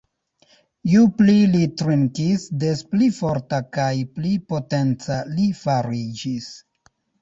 Ju pli li trinkis, des pli forta kaj pli potenca li fariĝis.